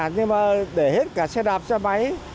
nhưng mà để hết cả xe đạp xe máy